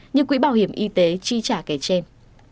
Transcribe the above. như quỹ bảo hiểm y tế chi trả kể trên